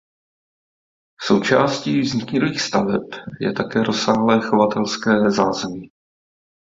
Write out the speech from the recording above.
Součástí vzniklých staveb je také rozsáhlé chovatelské zázemí.